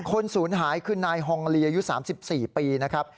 ศูนย์หายคือนายฮองลีอายุ๓๔ปีนะครับ